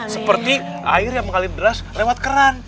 seperti air yang mengalir deras lewat keran